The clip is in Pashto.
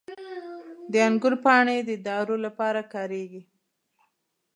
• د انګورو پاڼې د دارو لپاره کارېږي.